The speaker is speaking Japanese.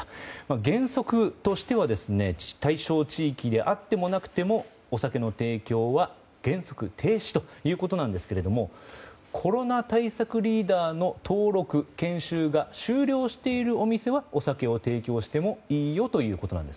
原則としては対象地域であってもなくてもお酒の提供は原則停止ということですがコロナ対策リーダーの登録・研修が終了しているお店はお酒を提供してもいいよということです。